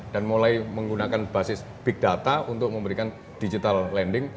dan mulai menggunakan basis big data untuk memberikan digital lending